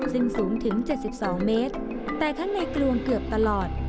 ซึ่งสูงถึง๗๒เมตรแต่ข้างในกลวงเกือบตลอด